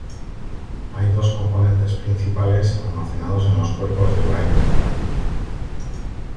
Hay dos componentes principales almacenados en los cuerpos de Weibel-Palade.